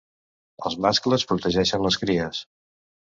Els mascles protegeixen les cries.